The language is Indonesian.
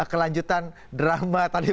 kelanjutan drama tadi